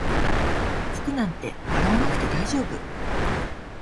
服なんて洗わなくて大丈夫